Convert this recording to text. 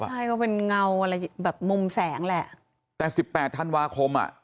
ใช่ก็เป็นเงาอะไรแบบมุมแสงแหละแต่สิบแปดธันวาคมอ่ะ